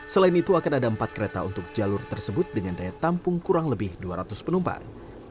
selain itu akan ada empat kereta untuk jalur tersebut dengan daya tampung kurang lebih dua ratus penumpang